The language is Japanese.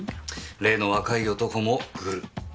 例の若い男もグル。